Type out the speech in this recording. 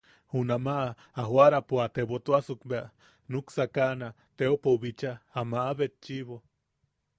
Junamaʼa joʼarapo a tebotuasuk bea a nuksakaʼana teopou bicha, a maʼa betchiʼibo.